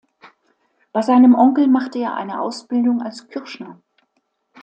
Bei seinem Onkel machte er eine Ausbildung als Kürschner.